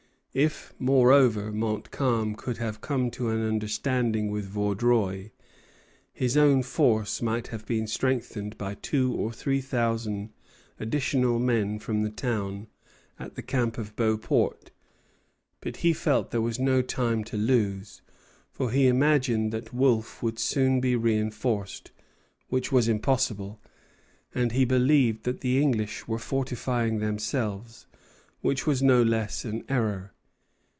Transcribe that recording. If, moreover, Montcalm could have come to an understanding with Vaudreuil, his own force might have been strengthened by two or three thousand additional men from the town and the camp of Beauport; but he felt that there was no time to lose, for he imagined that Wolfe would soon be reinforced, which was impossible, and he believed that the English were fortifying themselves, which was no less an error.